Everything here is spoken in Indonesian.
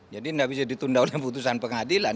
jadi tidak bisa ditunda oleh putusan pengadilan